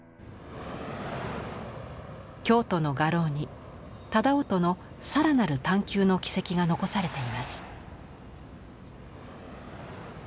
京都の画廊に楠音の更なる探求の軌跡が残されています。